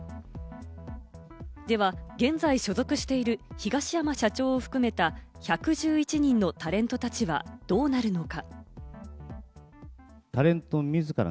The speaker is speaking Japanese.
では、現在所属している東山社長を含めた１１１人のタレントたちは、どうなるのか？